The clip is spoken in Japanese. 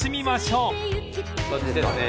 そっちですね。